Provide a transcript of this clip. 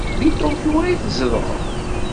Deg Tokyo ay tzedɣeḍ?